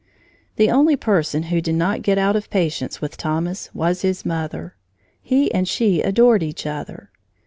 The only person who did not get out of patience with Thomas was his mother. He and she adored each other.